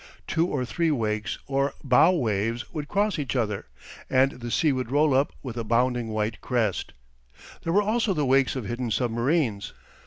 Two or three wakes or bow waves would cross each other, and the sea would roll up with a bounding white crest. There were also the wakes of hidden submarines.